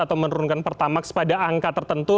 atau menurunkan pertamax pada angka tertentu